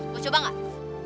mau coba tidak